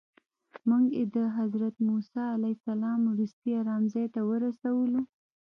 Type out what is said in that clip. موږ یې د حضرت موسی علیه السلام وروستي ارام ځای ته ورسولو.